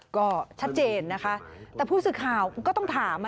ก็ชัดเจนนะคะแต่ผู้สื่อข่าวก็ต้องถาม